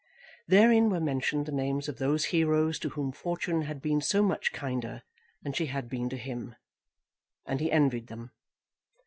Therein were mentioned the names of those heroes to whom Fortune had been so much kinder than she had been to him; and he envied them.